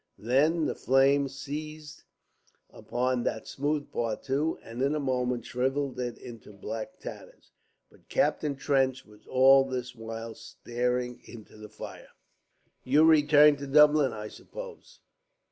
Then the flame seized upon that smooth part too, and in a moment shrivelled it into black tatters. But Captain Trench was all this while staring into the fire. "You return to Dublin, I suppose?"